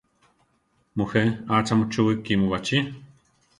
Mujé; achá muchúwi kímu baʼchí?